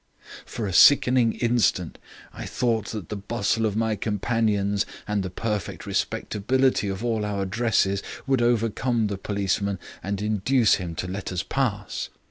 "For a sickening instant I thought that the bustle of my companions and the perfect respectability of all our dresses would overcome the policeman and induce him to let us pass.